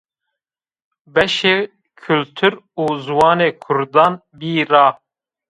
Beşê Kultur û Ziwanê Kurdan bî ra